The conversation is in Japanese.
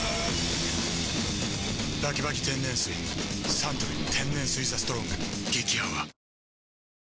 サントリー天然水「ＴＨＥＳＴＲＯＮＧ」激泡